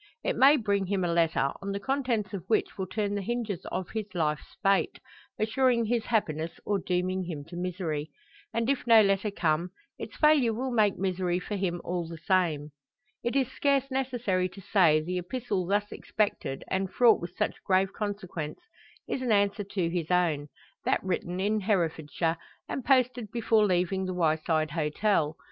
It may bring him a letter, on the contents of which will turn the hinges of his life's fate, assuring his happiness or dooming him to misery. And if no letter come, its failure will make misery for him all the same. It is scarce necessary to say, the epistle thus expected, and fraught with such grave consequence, is an answer to his own; that written in Herefordshire, and posted before leaving the Wyeside Hotel.